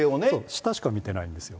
下しか見てないんです。